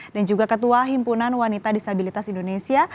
dan juga ketua himpunan wanita disabilitas indonesia